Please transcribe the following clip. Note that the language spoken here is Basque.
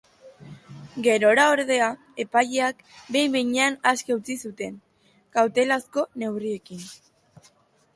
Gerora, ordea, epaileak behin-behinean aske utzi zuen, kautelazko neurriekin.